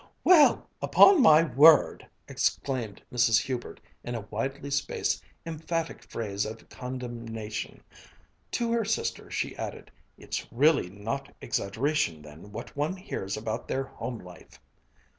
"Well, upon my word!" exclaimed Mrs. Hubert, in a widely spaced, emphatic phrase of condemnation. To her sister she added, "It's really not exaggeration then, what one hears about their home life."